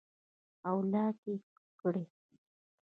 او لاک ئې کړي